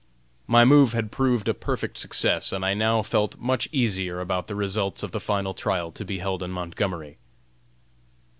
My move had proved a perfect success and I now felt much easier about the result of the final trial to be held in Montgomery.